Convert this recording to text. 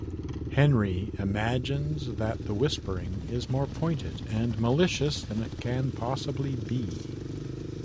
Henry...imagines that the whispering is more pointed and malicious than it can possibly be.